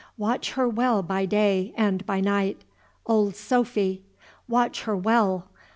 Watch her well by day and by night, old Sophy! watch her well!